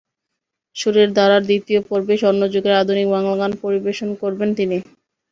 সুরের ধারার দ্বিতীয় পর্বে স্বর্ণযুগের আধুনিক বাংলা গান পরিবেশন করবেন তিনি।